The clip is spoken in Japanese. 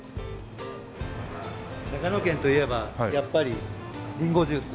長野県といえばやっぱりリンゴジュース。